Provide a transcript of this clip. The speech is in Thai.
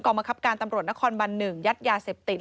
บังคับการตำรวจนครบัน๑ยัดยาเสพติด